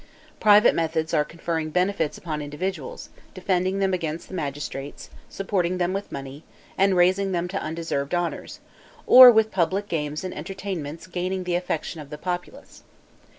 Private methods are conferring benefits upon individuals, defending them against the magistrates, supporting them with money, and raising them to undeserved honors; or with public games and entertainments gaining the affection of the populace.